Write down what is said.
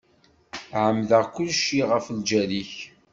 Ԑemmdeɣ kulci ɣef lǧal-ik.